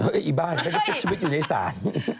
เฮ้ยบ้านชีวิตอยู่ในศาล